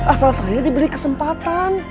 asal saya diberi kesempatan